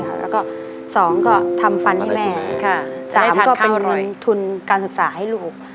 แล้วก็๒ก็ทำฟันให้แม่สามก็เป็นทุนการศึกษาให้ลูก